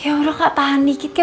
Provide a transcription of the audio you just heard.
ya udah kak tahan dikit kak